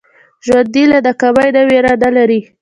ژوندي له ناکامۍ نه ویره نه لري